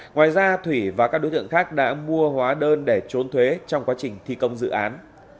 ngoài ra thủy và các đối tượng khác đã mua hóa đơn để trốn thuế trong quá trình thi công dự án